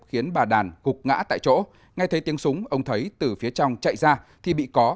khiến bà đàn gục ngã tại chỗ ngay thấy tiếng súng ông thấy từ phía trong chạy ra thì bị có